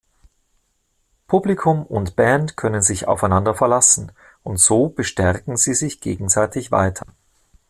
Publikum und Band können sich aufeinander verlassen, und so bestärken sie sich gegenseitig weiter.